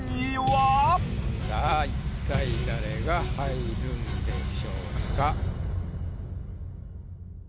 さぁ一体誰が入るんでしょうか？